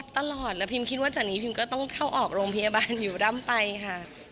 ตลอดพริมคิดว่าจากนี้จะต้องเข้าออกโรงพยาบาลอยู่ด้ำไปครับ